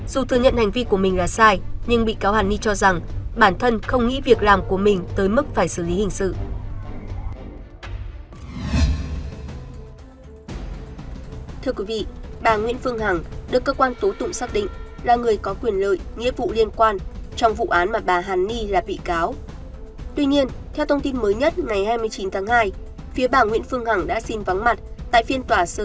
dù thừa nhận hành vi của mình là sai nhưng bị cáo hẳn nghi cho rằng bản thân không nghĩ việc làm của mình tới mức phải xử lý hình sự